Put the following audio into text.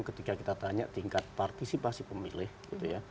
ketika kita tanya tingkat partisipasi pemilih gitu ya